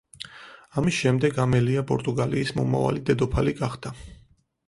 ამის შემდეგ ამელია პორტუგალიის მომავალი დედოფალი გახდა.